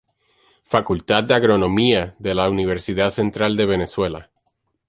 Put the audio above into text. Facultad de Agronomía, de la "Universidad Central de Venezuela".